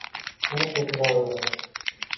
Uni kechira olmayman